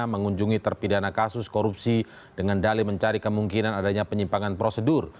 mengunjungi terpidana kasus korupsi dengan dali mencari kemungkinan adanya penyimpangan prosedur